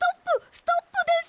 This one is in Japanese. ストップです！